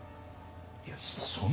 いやそんな。